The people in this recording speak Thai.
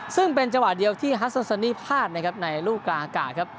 ซึ่งเป็นจังหวะเดียวที่ฮัสโซซันนี่พลาดนะครับในลูกกลางอากาศครับ